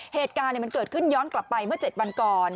เหตุการณ์มันเกิดขึ้นย้อนกลับไปเมื่อ๗วันก่อน